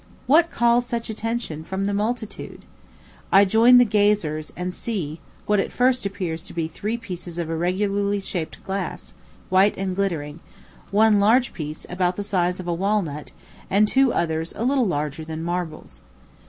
What calls such attention from the multitude? I join the gazers, and see what at first appears to be three pieces of irregularly shaped glass, white and glittering; one large piece, about the size of a walnut, and two others a little larger than marbles.